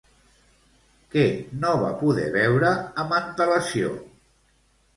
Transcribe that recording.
Què no va poder veure amb antel·lació?